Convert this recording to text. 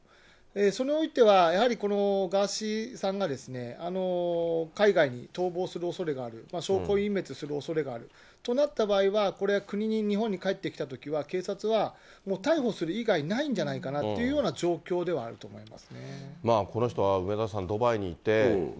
それにおいては、やはりこのガーシーさんが海外に逃亡するおそれがある、証拠隠滅するおそれがあるとなった場合は、これは国に、日本に帰ってきたときは、警察は逮捕する以外ないんじゃないかという状況ではあると思いま